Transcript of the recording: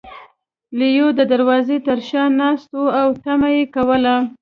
لیوه د دروازې تر شا ناست و او تمه یې کوله.